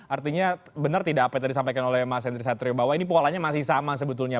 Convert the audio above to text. artinya benar tidak apa yang tadi disampaikan oleh mas henry satrio bahwa ini polanya masih sama sebetulnya